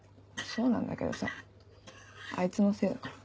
そうなんだけどさあいつのせいだから。